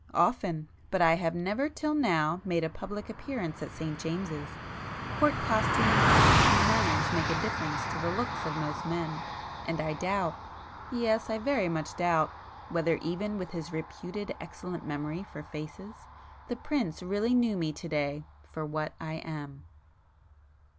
"Often! But I have never till now [p 192] made a public appearance at St James's. Court costume and 'company manners' make a difference to the looks of most men,—and I doubt,—yes, I very much doubt, whether, even with his reputed excellent memory for faces, the Prince really knew me to day for what I am!"